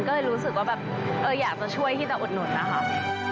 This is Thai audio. ก็เลยรู้สึกว่าแบบอยากจะช่วยที่จะอุดหนุนนะคะ